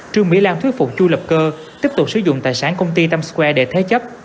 trương mỹ lan thuyết phục chu lập cơ tiếp tục sử dụng tài sản công ty times square để thế chấp